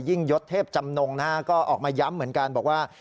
ยศเทพจำนงนะฮะก็ออกมาย้ำเหมือนกันบอกว่า